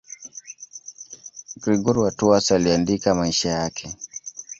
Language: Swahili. Gregori wa Tours aliandika maisha yake.